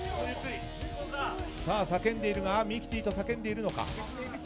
叫んでいるがミキティと叫んでいるのか。